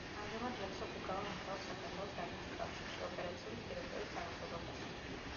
ამჟამად ლექსო გუგავა მუშაობს საქართველოს რაგბის კავშირში, ოპერაციული დირექტორის თანამდებობაზე.